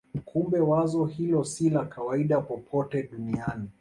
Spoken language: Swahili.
Kumbe wazo hilo si la kawaida popote duniani.